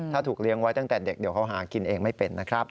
ถ้าถูกเลี้ยงไว้ตั้งแต่เด็กเดี๋ยวเขาหากินเองไม่เป็นนะครับ